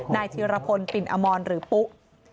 นายธีรพลปิ่นอมรหรือปุ๊